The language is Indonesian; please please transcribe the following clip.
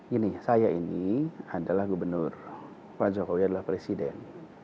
gini saya ini adalah gubernur pak jokowi adalah presiden